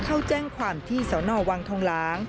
เข้าแจ้งความที่เสาหน่อวังทองล้าง